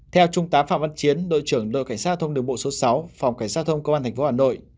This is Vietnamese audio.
theo trung tá phạm văn chiến đội trưởng đội cảnh sát giao thông đường bộ số sáu phòng cảnh sát giao thông công an tp hà nội